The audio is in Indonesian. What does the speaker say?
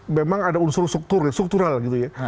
memang ada unsur struktur struktural gitu ya